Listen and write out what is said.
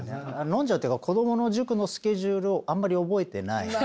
飲んじゃうっていうか子供の塾のスケジュールをあんまり覚えてないので。